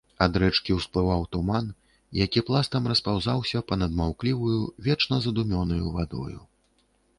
Ад рэчкі ўсплываў туман, які пластам распаўзаўся па-над маўкліваю, вечна задумёнаю вадою.